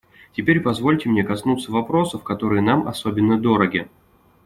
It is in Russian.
Теперь позвольте мне коснуться вопросов, которые нам особенно дороги.